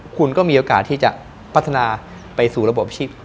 คุณก็มีโอกาสที่จะพัฒนาไปสู่ระบบชีพ